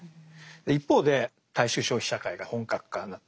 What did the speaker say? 一方で大衆消費社会が本格化になっていきます。